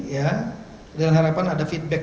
ya dengan harapan ada feedback